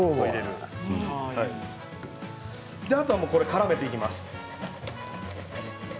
あとはこれをからめていきます。